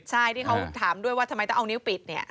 ใช่ที่เขาถามด้วยว่าทำไมต้องเอานิ้วปิดเนี่ย